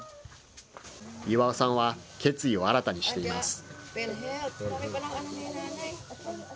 イワオさんは決意を新たにしています。